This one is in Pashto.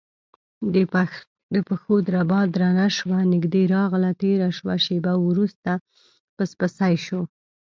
د پښو دربا درنه شوه نږدې راغله تیره شوه شېبه وروسته پسپسی شو،